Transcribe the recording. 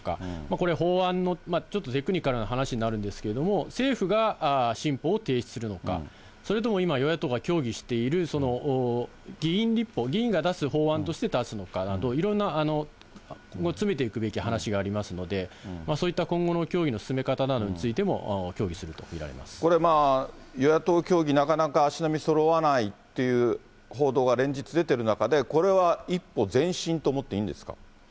これ、法案のちょっとテクニカルな話になるんですけれども、政府が新法を提出するのか、それとも今、与野党が協議している議員立法、議員が出す法案として出すのか、いろいろな詰めていくべき話がありますので、そういった今後の協議の進め方などについても、協議すると見られこれ、与野党協議、なかなか足並みそろわないという報道が連日出ている中で、これは一歩前進と思っていいんですか。